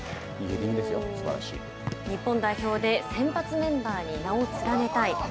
日本代表で先発メンバーに名を連ねたい。